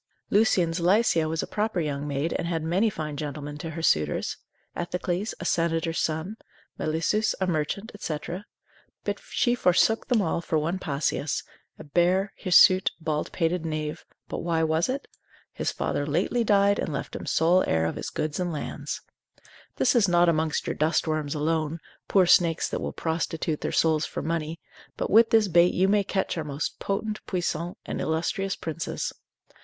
Lucian's Lycia was a proper young maid, and had many fine gentlemen to her suitors; Ethecles, a senator's son, Melissus, a merchant, &c. but she forsook them all for one Passius, a base, hirsute, bald pated knave; but why was it? His father lately died and left him sole heir of his goods and lands. This is not amongst your dust worms alone, poor snakes that will prostitute their souls for money, but with this bait you may catch our most potent, puissant, and illustrious princes.